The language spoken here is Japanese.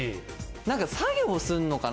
何か作業するのかな？